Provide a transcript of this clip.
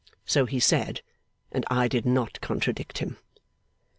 So he said, and I did not contradict him.